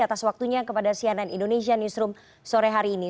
atas waktunya kepada cnn indonesia newsroom sore hari ini